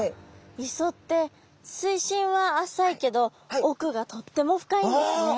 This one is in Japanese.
磯って水深は浅いけどおくがとっても深いんですね。